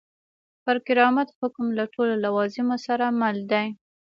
پر کرامت حکم له ټولو لوازمو سره مل دی.